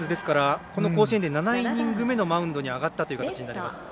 この甲子園で７イニング目のマウンドに上がったということになります。